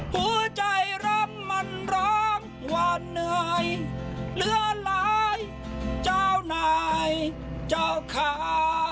หัวใจรำมันร้องหวานเหนื่อยเหลือหลายเจ้านายเจ้าขา